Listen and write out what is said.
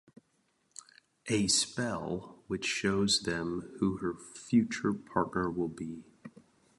A spell which shows them who her future partner will be.